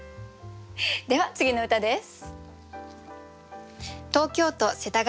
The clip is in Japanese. では次の歌です。